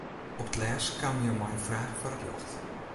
Op 't lêst kaam hja mei har fraach foar it ljocht.